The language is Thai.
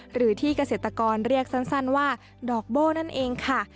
หรือที่เกษตรกรเรียกสั้นว่าดอกโบ้นั่นเองค่ะ